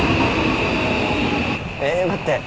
えっ待って。